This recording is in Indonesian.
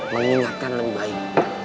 mengingatkan lebih baik